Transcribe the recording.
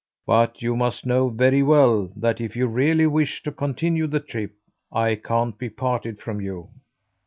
"But you must know very well that if you really wish to continue the trip, I can't be parted from you."